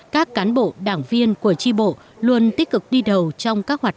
các cán bộ đảng viên của tri bộ luôn tích cực đi đầu trong các hoạt động